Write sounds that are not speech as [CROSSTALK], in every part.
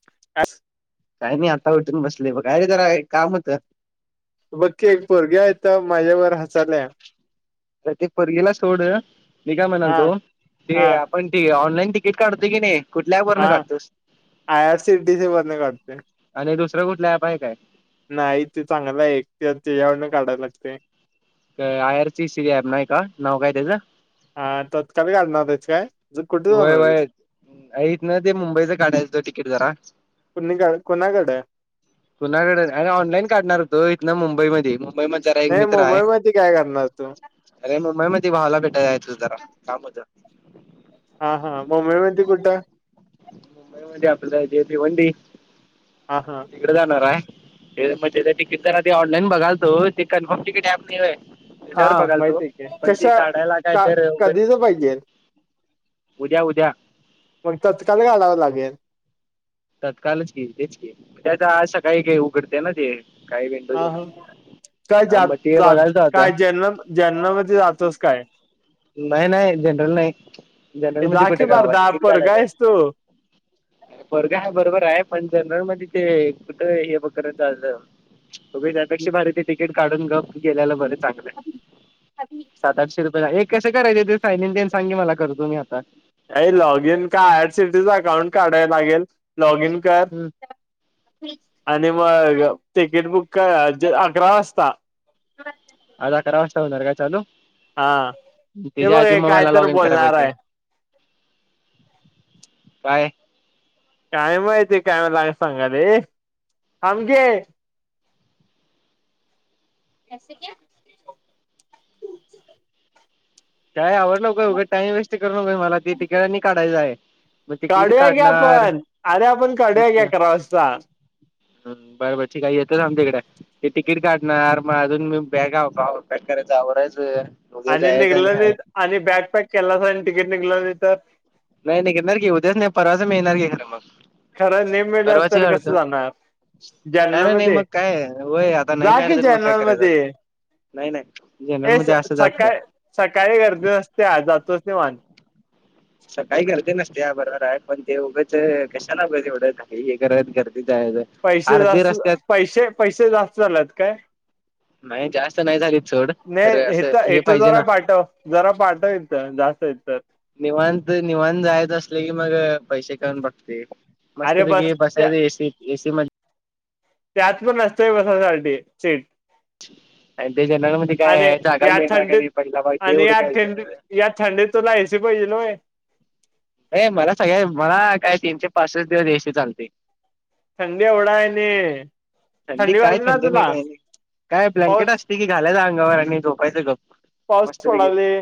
[UNINTELLIGIBLE] काय नाही आता उटून बसलोय बघ. अरे जरा एक काम होतं. बघ की एक पोरगी आहे इथे माझ्यावर हसाल्या. बरं ते पोरगीला सोड. मी काय हा म्हणालतो हा त्या पण ती ऑनलाईन तिकीट काढतोय की नाही कुठल्या ऍप वरनं हा काढतोस [UNINTELLIGIBLE] वरनं काढतोय. आणि दुसरं कुठलं ऍप आहे काय? नाही ते चांगलं आहे एकतर त्याच्यावरन काढायला लागतंय. ते I R C C app नाही का? नाव काय त्याचं? हा तात्काळ काढणार आहेस? काय कुठे जाणार आहेस? हितनं ते मुंबईच काढायचं तिकीट जरा. [UNINTELLIGIBLE] कुणाकडं? कुणाकडं आरे ऑनलाईन काढणार होतो इथंनं मुंबईमधी. मुंबईमध जरा एक नाही मित्र मुंबई आहे. मध्ये काय करणार तू अरे मुंबईमध्ये भावाला भेटायला जायचं होतं जरा काम होतं. हा हा. मुंबईमध्ये कुठं? मुंबईमध्ये ते आपलं भिवंडी. हां हां. तिकडे जाणार आहे. ते मग तिकीट जरा ते ऑनलाईन बघालतो ते कन्फर्म तिकीट ऍप नाही होय. हा तेज्यावर माहित बघालतो. आहे की पण ते कशा काढायला काय का तर कधीच पाहिजे उद्या उद्या मग तत्काळ काढावं लागेल. तत्कालच की तेच की त्याच आज सकाळी काई उघडते ना ते. काही विंडो जे हा, मग ते बघायचं आता [UNINTELLIGIBLE] नाई नाई जनरल नाई जनरल मध्ये जा की कुठे कवा मर्दा तिकीट पोरगा काढायचाय. आहेस तू परगाय बरोबराय पण जनरल मधी ते कुठं हे ब करंचाललं. त्यापेक्षा अ भारी ते तिकीट काढून गप गेलेलं बरं चांगलं. आहे. [UNINTELLIGIBLE] [UNINTELLIGIBLE] लॉग इन का आय. आर. सि. टी. चं अकाउंट काढाय लागेल लॉग इन कर हम्म. आणि मग तिकीट बुकं अकरा वाजता. आज अकरा वाजता होणार का चालू हा हे त्याच्या बघ आधी हे म काय मला तर लॉगिन कराय बोलणार पाईजे. आहे काय काय माहितीय काय मलाय सांगाले, आमके [UNINTELLIGIBLE] ताई आवर लवक ऊगं टाईम वेस्ट कर नकोय मला ती तिकीटांनी काढायचाय. काढूया की आपण अरे आपण काढूया की अकरा वाजता. बर बर ठीकाय, येतोयस का आमच्याकडे? ते तिकीट काढणार म अजून मी बॅगाव कवा पॅक करायच आवरायचं. उद्या आणि जायचं निघलं नई हाय आणि बॅक पॅक केलास आणि तिकीट निघलं नई तर? नाही नीघणार की उद्याच नाई परवाच मिळणार की खरं मग. खरं नई मीळला तर कसं जाणार? जर्नल नाई नाई नाई मध्ये मग काय वय आता नाई जा मीळालं की तर मग काय जर्नल कराय मध्ये नाई नाई जनरल मध्ये असं जात काय सकाळी गर्दी नसती या जातोस निवांत. सकाळी गर्दी नसतेया बरोबराय पण ते उगंच कशाला ऊग एवढंच घाई करत गर्दीत जाण्याचं. पैसे जास्त पैसे पैसे जास्त झाल्यात काय? नाही जास्त नाही झाली सोड नाय खरं असं हेत हे हेतं पाहिजे जरा ना पाठव. जरा पाठव हीथं जास्त हाईत तर. निवांत निवांत जायचं असलं की मग पैसे कोण बघतंय. अरे मस्तपैकी बस त्या बसायचं ए. सी. त ए. सी. मध्ये त्यात पण अस्तंय बसासाठी सीट. आणि त्या जनरल मध्ये आणि काय जागा या मिळणार का थंडीत नाई पहिला बा ते आणि या ओढखायचं. थंडी या थंडीत तुला एसी पाहिजेल होय. ये मला सगळ्या मला काय तीनशे पासष्ट दिवस ए. सी. चालते. थंडी एवढाय नी थंडी काय थंडी नाय काय नी काय ब्लॅंकेट पाऊस अस किती घालायच अंगावर आणि झोपायचं गप पाऊस मस्तपैकी. पडाले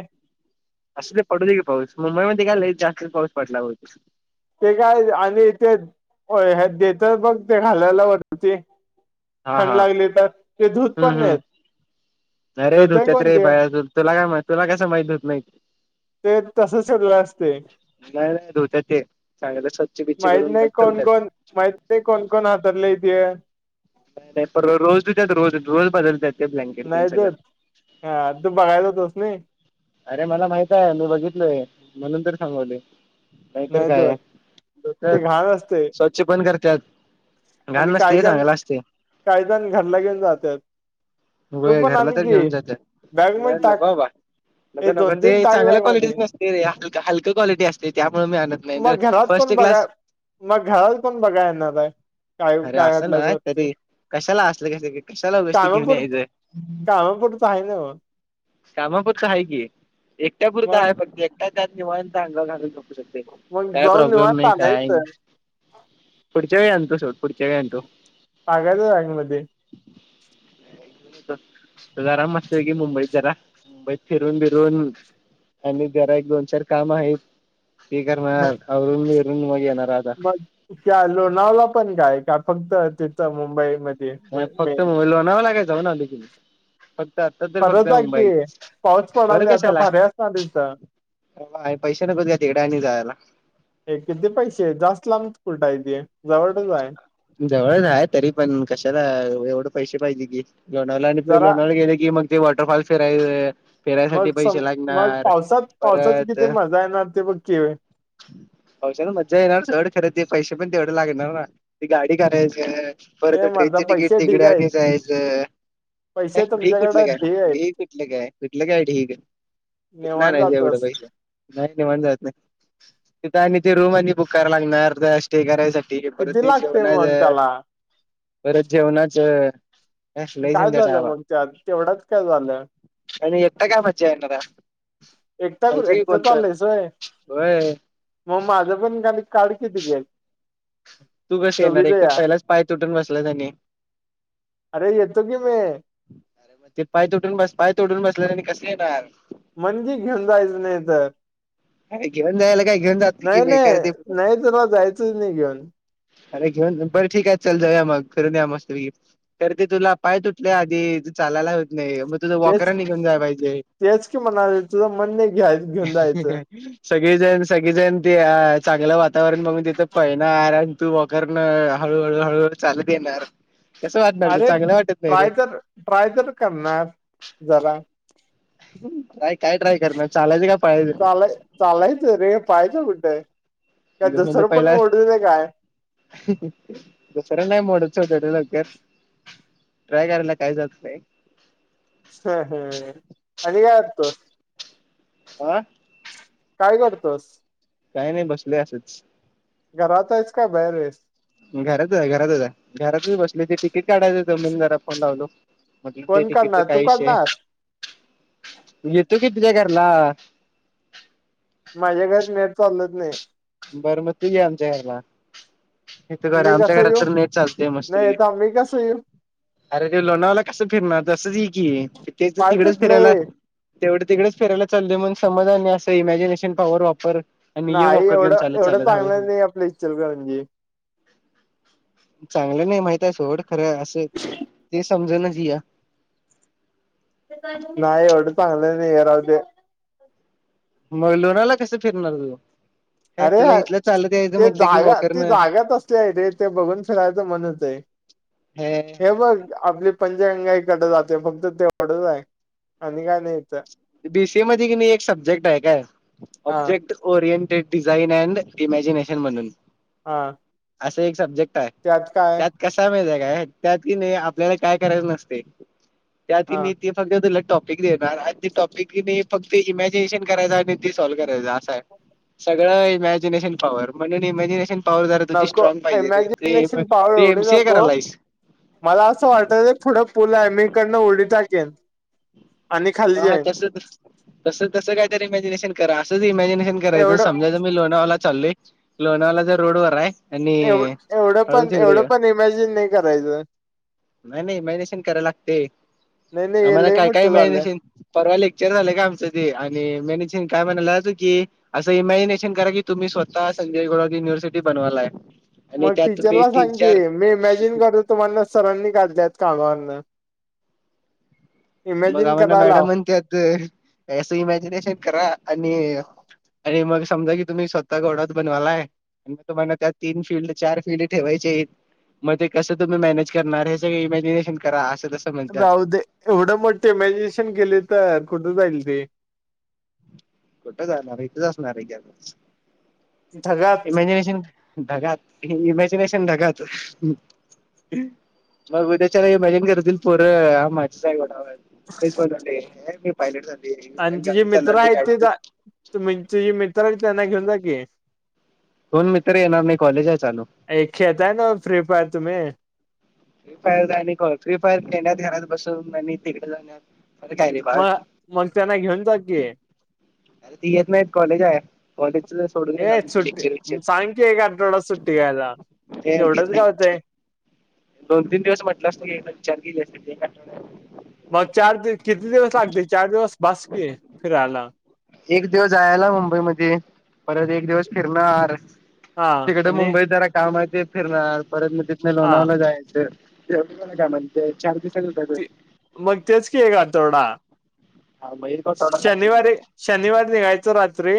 असू दे पडू दे की पाऊस मुंबईमध्ये काय लईच जास्त पाऊस पडला ते काय आणि ते [UNINTELLIGIBLE] देतात बघ ते घालायला वरती हा थंड हा लागली तर ते धूत हम्म पण नायत हम्म अरे धुत्यात रे [UNINTELLIGIBLE] बाहेर तुला काय माईत तुला कसं माईत धूत नाईत. ते तसंच ठेवलेलं असते. नाय नाय धुतात ते चांगलं स्वच्छ बीच्च माहित करून नाही ठेवतात. कोण कोण माहित नाय कोण कोण हातरलय ते. नाही पर रोज धुतेत, रोज.. रोज बदलतेत. नाही धुवत, हा... तू बघायच धुवत नाही. अरे.. मला माहित आहे मी बघितलोय म्हणून तर सांगायलोय. नाय तर नाही काय.. देत धुत्यात, ते घाण असते स्वच्छ पण करत्यात. घाण आणि.. काही नसते जण, चांगलं असते काय जण.. घरला घेऊन जातात. तू व्हय... पण घरला आण तर की घेऊन जात्यात, बॅग नाही.. मध्ये नको टाक बाबा. नग.. हे नग.. दोन तीन टाक चांगल्या बॅग मध्ये क्वालिटीचे नसतं रे.. ते हलकं हलक्या क्वालिटी असतंय. त्यामुळ मी आणत नाय, मी जर मग घरात फर्स्ट कोण बघा क्लास मग घराला कोण बघायला येणार आहे? काय अरे, काय असं वाटल्यास नाय.. वरती कधी कशाला असलं कस क कशाला व कामा पुरतं, कामापुरतं हाय नव कामा पुरतं हाय की, एकट्या पुरतं मग हाय फक्त काय त्यात निवांत, अंगावर घालून झोपू शकतो मग काय जाऊन प्रॉब्लेम निवांत नाही, काय आणायचं नाही. पुढच्या वेळी आणतो, सोड पुढच्या वेळी आणतो. पागल हाय मध्ये [UNINTELLIGIBLE] जरा मस्त आहे, मुंबईत जरा मुंबईत फिरून -बिरून आणि जरा एक- दोन.. चार काम आहेत. ती करणार, आवरून -बिवरून मग येणार आज. [UNINTELLIGIBLE] मग त्या लोणावला पण जायचं, का फक्त तिथं मुंबई मधी नाय, फक्त मुंबई.. लोणावळा जाऊन आलोय की मी फक्त आता तर परत फक्त जा की मुंबई, पाऊस परत पडाले आता कशाला? भारी असणार तिथं पा. पैसे नको का तिकडे आणि जायला. हे किती जास्त लांब कुठे हाय ते, जवळच हाय. जवळच आहे तरी पण कशाला अ.. एवढं पैसे पाहिजे की लोणावला आणि प जरा लोणाव गेले की मग ते वॉटरफॉल फिरायचं. मग सम मग पावसात, पावसाात परत किती मजा येणार ते बघ की पावसात मज्जा येणार खरं सोड पण पैसे तेवढे लागणार ना, ती गाडी करायचं. बरं तर हे मर्दा ट्रेनचे तिकीट पैसे तिकडे ढीग आहेत आणि जायचं. पैसे ढीग कुठलं तुमच्याकडे काय, आहेत ढीग कुठलं काय,, कुठलं काय ढीग कुठन निवांत आणायचं एवढं जातोस पैसे? नाही निवांत जायचं, तिथ आणि ते रूम आणि बुक करायला लागणार रश ते करायसाठी हे परत किती ते लागते जेवणाच मग त्याला परत जेवणाच लई काय झंझट आहे झालं मग बाबा त्यात, तेवढाच काय झालं आणि... एकटा काय मजा येणार आहे. एकटा.. एकटाच आलास व्हय होय मग माझं पण का... काढ की तिकीट तू कशी येणार.. एक तर पहिलाच पाय तुटून बसला आणी. अरे.. येतो की मी ते पाय तुटून बस.. पाय तोडून बसल्यावर आणि कस काय येणार? म्हणजे घेऊन जायचं नाही तर, अरे घेऊन जायला काय घेऊन जात की नाय.. बेकार नाय.. ते नाय तुला जायचंच नाही घेऊन. अरे, घेऊन.. बरं ठीक आहे चल जाऊया मग फिरनयुया मस्त पैकी तर ते तुला पाय तुटले आधी चालायला होत नाही मग तुझं तेच.. वॉकरान घेऊन जाय पाहिजे तेच कि म्हणालो तुझ मन नाही घ्या.. घेऊन जायचं. सगळीजण सगळीजण त अ चांगलं वातावरण मग तिथं पहि ना आराम. तू वॉकर न हळूहळू हळूळू चालत येणार कसं वाटणार त अरे चांगलं वाटत नाही रे. ट्राय तर ट्राय तर करणार जरा काय काय ट्राय करणार. चालायच का पळायच चाल चालायचं रे पळायचं कुठं? बघ नाही तर पहिला दुसर नाही मोडत चल लवकर. ट्राय करायला काय जातय. [UNINTELLIGIBLE] आणि काय असतं आ काय करतोस. काही नाही बसलोय असंच. घरात आहेस काय बाहेर आहेस. घरात आहे घरातच आहे घरातच बसलोय त तिकीट काढायच होत म्हणून जरा फोन लावलो. मध्येच ते कोण तिकीट च करणार तू काय विषय करणार येतो कि तुझ्या घरला. माझ्या घरात नेट चाललत नाही. बरं मग तू ये आमच्या घरला. हे तर खर मी आमच्या कसं घरात येऊ तर नेट चालतेय नाही मस्तपैकी. येता मी कसं येऊ अरे ते लोणावाला कसं फिरणार तसंच ये की तिथ पाय तिकडेच फिरायला तुटलंय तेवढं तिकडेच फिरायला चालोय म्हण समज आणि असं इमॅजिनेशन पॉवर वापर आणि हे वा नाही एवढं एवढं चांगलं नाही आपलं इचलकरंजी. चांगलं नाही माहित आहे सोड खरं असं ते समजूनच ये. नाही एवढं चांगलं नाही हे राहु दे. मग लोणावला कस फिरणार मी अरे तुला इथ चाल ते जागा ती जागाच तसली आहे रे ते बघून फिरायचं मन होतंय. हे हे बघ आपली पंचगंगाईकडे जाते फक्त ते तेवढच आहे आणि काय नाही इथं. बी सी ए मध्ये कि नाही एक सब्जेक्ट आहे काय हा object oriented design and imagination म्हणून हा. असे एक सब्जेक्ट आहे. त्यात काय? कसा माहितय काय त्यात कीन आपल्याला काय करायचं नसते हा. त्यातने कीन मग ते तुला एक टॉपिक देणार ते टॉपिक इमॅजिनेशन करायचा आणि ती सॉल करायचंय असं आहे सगळं इमॅजिनेशन पावर म्हणजे इमॅजिनेशन पॉवर जरा तुझी नको स्ट्रॉंग पाहिजे रे इमॅजिनेशन पावर तू एवढी एमसीए नको करायलायस. मला असं वाटत पुढे पूल आहे मी इकडं उडी टाकेन. आणि खाली ह हा जाईन. तस तस तस कायतर इमॅजिनेशन कर असंच इमॅजिनेशन. करायचं एवढं समजा मी लोणावळ्याला चाललोय लोणावळ्याच्या रोडवर आहे आणि एवढ एवढं हळूच पण इकडे एवढं ये पण इमॅजिन नाही करायचं. नाही नाही इमॅजिनेशन करायला लागतय नाही नाही हे आम्हाला लय काय काय मोठं झालंय. इमॅजिनेशन परवा लेक्चर झालं आमचं ते आणि मॅनेजर काय म्हणाला की, असं इमॅजिनेशन करा की तुम्ही स्वत संजय घोडावतयुनिवर्सटी बनवायलाय. मग टीचरला सांग की मी इमॅजिन करतो तुम्हाला सरांनी काढल्यात कामावरन. मग इमॅजिन आम्हाला कराय मॅडम लाव. म्हणते असं इमॅजिनेशन करा आणि आरे मग समजा की तुम्ही स्वतः घोडाच बनवालाय. फक्त तुम्हाला त्या तीन फिल्ड चार फिल्ड ठेवायचे. मग ते कसं तुम्ही मॅनेज करणार, हे सगळे इमॅजिनेशन करा असं तसं. म्हणतात राहू दे, एवढं मोठं इमॅजिनेशन केलं तर कुठं जाईल ते. कुठं जाणार, इथंच असणार आहे की, ढगात. Imagination ढगात, imagination ढगात. [UNINTELLIGIBLE] मग उद्याच्या ला इमॅजिन करतील पोरं माझ्याच ऊरावर हाइत. [UNINTELLIGIBLE] तु म्हण तुझे मित्र आहेत त्यांना घेऊन जा की. कोन मित्र येणार नाही कॉलेज आहे चालू. [UNINTELLIGIBLE] ए खेळताय नवं फ्री फायर तुम्ही. फ्री फायर जा आणि फ्री फायर खेळण्यात घरात बसून आणि तिकडे जाऊ अरे काय नाही बाळ, मग मग त्यांना घेऊन जा की अरे ती येत नाहीत कॉलेज हाय. ये सुट्ट, मग सांग की एक आठवडा सुट्टी घ्यायला. ते घेत तेवढच नाही. घावतय. दोन तीन दिवस म्हटलंच ना, विचार केली असतीत एक आठवड्यात. मग चार दि किती दिवस लागतय, चार दिवस बस कि. फिराला. एक दिवस जायाला मुंबई मध्ये, परत एक दिवस फिरणार. हा तिकडं आणि मुंबईत जरा काम आहे ते फिरणार, परत म तिथनं हा लोणावला जायचं, तेवढंण माझी कामं हायत म्हटलं. हो मग तेच की एक आठवडा [UNINTELLIGIBLE] चार दिस हा. सोडा शनिवारी लागते शनिवारी निघायचं रात्री.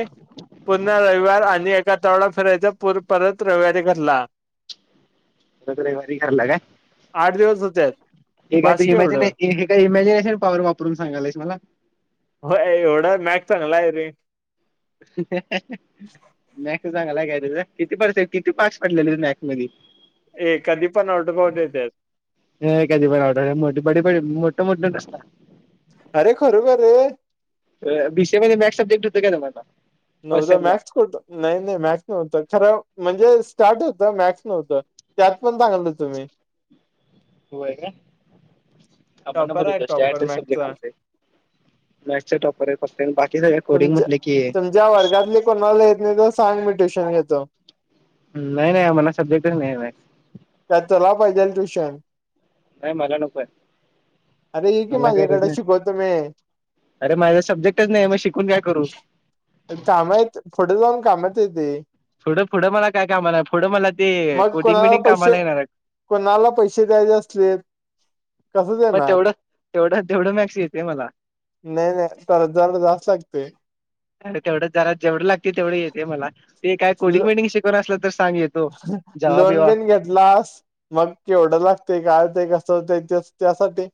पूर्ण रविवार आणि एक आठवडा फिरायचं, आणि पुन्हा रविवारी घरला. परत रेवारी घरला काय. आठ दिवस हुत्यात. हे काय तर इमॅजिने इमॅजिनेशन पॉवर वापरून सांगालायस मला. होय, एवढा मॅग चांगलाय रे. मॅक्स चांगलाय काय तुझं, किती पडसे किती मार्क्स पडलेले तुझ मॅक्स मधे. ए कधी पण आऊट ऑफ आऊटच येत्यात. [UNINTELLIGIBLE] होय कधी पण आता मोटमोटंच आसतय अरे खरोखर रे. बीसीए मध्ये मॅक्स सब्जेक्ट हुतं काय तुम्हाला. [UNINTELLIGIBLE] फर्स्ट नव्हतं सेम ला मॅक्स फक्त नाही नाही मॅक्स नव्हत, खरं म्हणजे स्टार्ट होतं, मॅक्स नव्हतं, त्यात पण चांगलं तुम्ही होय काय. आपणा टॉपर बर आहे होत टॉपर अस सब्जेक्ट मॅक्सचा होते, मॅक्स चा टॉपर बाकी सगळं तुमच्या तुमच्या वर्गातले कोणाला येत नाही तर सांग मी ट्युशन घेतो. नाही नाही, आमाला सब्जेक्टच नाही ये भाई. का तुला पाहिजेल ट्युशन. नाही मला नकोय. अरे ये की मला गरज माझ्याकडे नाही, शिकवतो मी अरे माझा सब्जेक्टच नाहीये मग शिकून काय करू. कामं आहेत, पुढे जाऊन कामात येतय. पुढं पुढं मला काय कामाला, पुढं मला ते कोडिंग विटिंग कामाला येणाराय. कुणाला पैसे द्यायचे असतील मग तेवढं तेवढं तेवढं मॅच. नाही नाही तर, जरां जास्त लागतंय. अरे तेवढं जरा जेवढं लागते, तेवढं येतेय मला. ते काय कोडिंग बेडिंग शिकवणार असला तर, सांग येतो जावा लोन बिवा. बिन घेतलास. मग केवढं लागते काय होतंय, कसं होत ते त्यासाठी.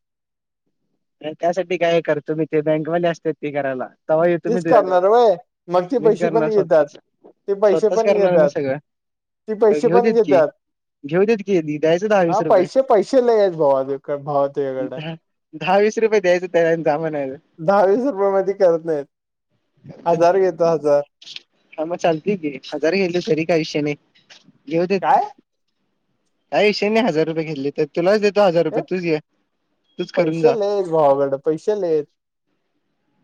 त्यासाठी काय कर तु मी ते, बँकवाले असत्यात ते करायला. तवा येतो मी तेच तुझ्याजवळ करणार होय, मागचे मीच पैसे करणार पण घेतात स्वतःच ते पैसे स्वतःच पण करणार मी घेतात. सगळं ते पैसे घेऊ पण देत की घेत्यात. घेऊ देत की द्यायचं दहा हा, वीस रुपये पैसे पैसे लय आहे, भावा भावा तुझ्याकडं. दहा दहा वीस रुपये द्यायचं त्या म्हणायचं दहा वीस रुपयमध्ये करत नाहीत. हजार घेतो हजार. हा मग चालतंय की हजार घेतले, तरी काय विषय नाही घेऊ देत. काय हे काय विषय नाय हजार रुपये घेतले तर, तुलाच देतो हजार रुपये तुच ये. पैशे लै येत, भावाकड पैशे लै येत.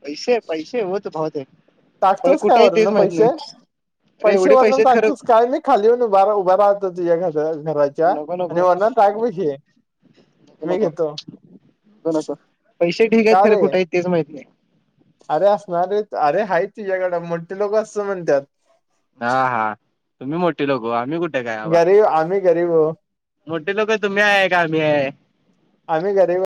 पैसे पैसे वो तो बहोत हे. [UNINTELLIGIBLE] टाकतोस काय वरन पैशे, अरे पैशे एवढे पैसे वरण‌ आहेत टाकतोस खरं काय. मी खाली येऊन उभार उभा राहतो, तुझ्या घर घराच्या नको आणि नको वरण टाक पैशे. नको नको नको नको पैसे ठीग का आहेत, रे खरं कुठ आहेत तेच माहिती नाही. अरे असणारे अरे हाय तुझ्याकडं, मोठी लोकं असंच म्हणत्यात. हा हा, तुम्ही मोठी लोकं, आम्ही कुठे काय. आबा अरे आम्ही गरीब ओ. मोठी लोक तुम्ही आहे, का आम्ही आहे. आम्ही गरीब.